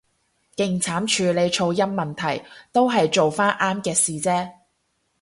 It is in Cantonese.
勁慘處理噪音問題，都係做返啱嘅事啫